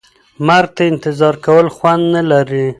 مرګ ته انتظار کول خوند نه لري.